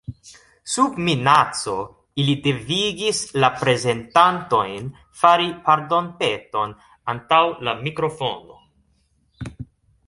Sub minaco ili devigis la prezentantojn fari pardonpeton antaŭ la mikrofono.